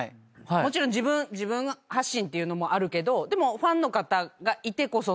もちろん自分発信っていうのもあるけどファンの方がいてこそのライブだったり。